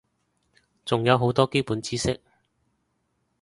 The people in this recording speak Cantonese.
仲有好多基本知識